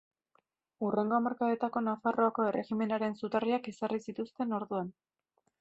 Hurrengo hamarkadetako Nafarroako erregimenaren zutarriak ezarri zituzten orduan.